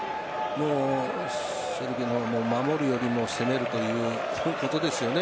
セルビア守るよりも攻めるということですよね